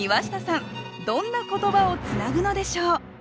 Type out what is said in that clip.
どんな言葉をつなぐのでしょう？